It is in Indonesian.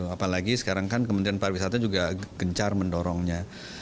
apalagi sekarang kan kementerian pariwisata juga gencar mendorongnya